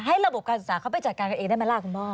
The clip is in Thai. ระบบการศึกษาเขาไปจัดการกันเองได้ไหมล่ะคุณพ่อ